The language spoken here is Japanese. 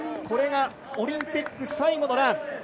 これがオリンピック最後のラン。